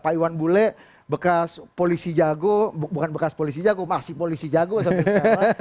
pak iwan bule bekas polisi jago bukan bekas polisi jago masih polisi jago sampai sekarang